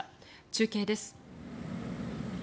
中継です。